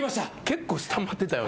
結構スタンバってたよね？